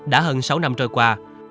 đã hơn sáu năm trôi qua